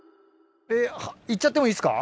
えっ行っちゃってもいいですか？